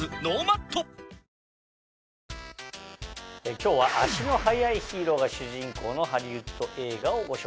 今日は足の速いヒーローが主人公のハリウッド映画をご紹介します。